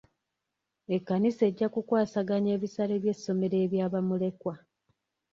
Ekkanisa ejja kukwasaganya ebisale by'essomero ebya bamulekwa.